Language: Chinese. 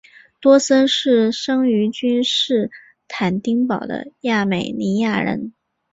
多桑是生于君士坦丁堡的亚美尼亚人。